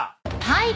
はい。